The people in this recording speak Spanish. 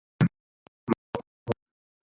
Los dos trabajan bien juntos.